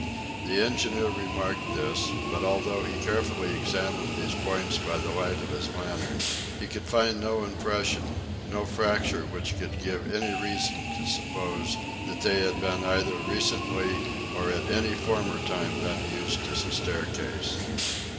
The engineer remarked this; but although he carefully examined these points by the light of his lantern, he could find no impression, no fracture which could give any reason to suppose that they had either recently or at any former time been used as a staircase.